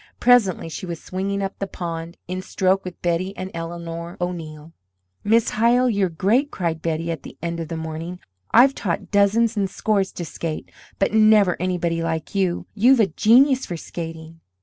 Presently she was swinging up the pond in stroke with Betty and Eleanor O'Neill. "Miss Hyle, you're great!" cried Betty, at the end of the morning. "I've taught dozens and scores to skate, but never anybody like you. You've a genius for skating."